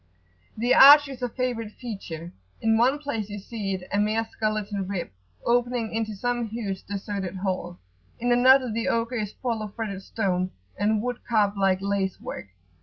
The arch is a favourite feature: in one place you see it a mere skeleton rib opening into some huge deserted hall; in another the ogre is full of fretted stone and wood carved like lace work.